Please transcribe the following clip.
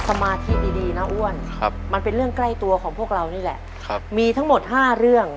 สมาธิดีนะอ้วนมันเป็นเรื่องใกล้ตัวของพวกเรานี่แหละมีทั้งหมด๕เรื่อง